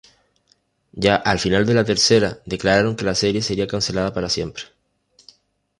Ya al final de la tercera, declararon que la serie sería cancelada para siempre.